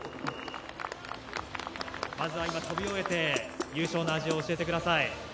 まずは今飛び終えて、優勝の味を教えてください。